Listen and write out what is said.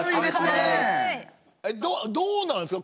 どうなんですか？